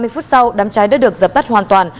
ba mươi phút sau đám cháy đã được dập tắt hoàn toàn